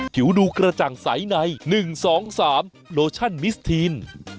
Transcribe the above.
ผิวดูกระจ่างใสใน๑๒๓โลชั่นมิสทีน